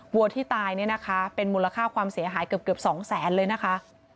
วัวที่ตายเป็นมูลค่าความเสียหายเกือบ๒๐๐๐๐๐บาทเลยนะคะ